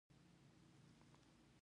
منل د آرام دروازه ده.